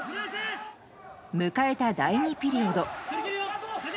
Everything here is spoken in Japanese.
迎えた第２ピリオド。